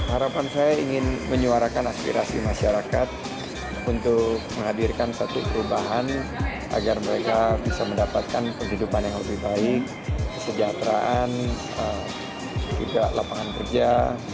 harapan saya ingin menyuarakan aspirasi masyarakat untuk menghadirkan satu perubahan agar mereka bisa mendapatkan kehidupan yang lebih baik kesejahteraan juga lapangan kerja